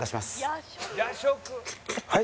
はい？